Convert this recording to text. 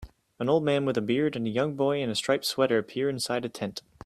An old man with a beard and a young boy in a striped sweater peer inside a tent